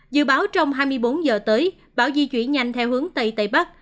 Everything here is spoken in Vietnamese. dự báo trong hai mươi bốn giờ tới bão di chuyển nhanh theo hướng tây tây bắc